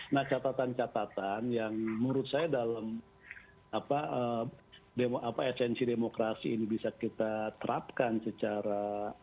nah catatan catatan yang menurut saya dalam esensi demokrasi ini bisa kita terapkan secara